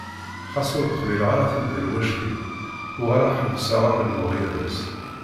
Xas ur qbileɣ ara tidderwect-iw uɣaleɣ ḥebseɣ amennuɣ yid-s.